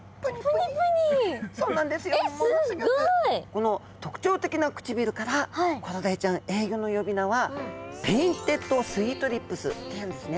この特徴的な唇からコロダイちゃん英語の呼び名はペインテッドスイートリップスっていうんですね。